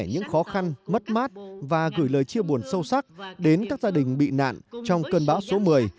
những khó khăn mất mát và gửi lời chia buồn sâu sắc đến các gia đình bị nạn trong cơn bão số một mươi